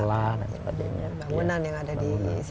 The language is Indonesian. dan bangunan yang ada di situ